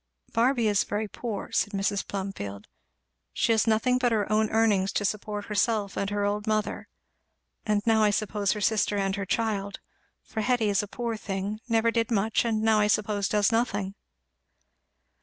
"Barby is very poor," said Mrs. Plumfield; "she has nothing but her own earnings to support herself and her old mother, and now I suppose her sister and her child; for Hetty is a poor thing never did much, and now I suppose does nothing."